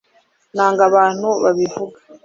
nanga abantu babivuga